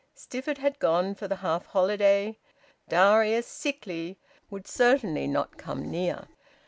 Stifford had gone for the half holiday. Darius, sickly, would certainly not come near.